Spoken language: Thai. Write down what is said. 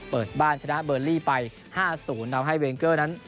เปิดบ้านชนะเบอร์ลี่ไป๕๐ทำให้เวงเกอร์นั้น